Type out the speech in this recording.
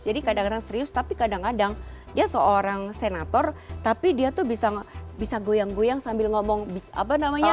jadi kadang kadang serius tapi kadang kadang dia seorang senator tapi dia tuh bisa goyang goyang sambil ngomong apa namanya